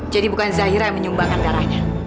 jadi bukan zairah yang menyumbangkan darahnya